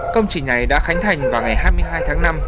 công trình này đã khánh thành vào ngày hai mươi hai tháng năm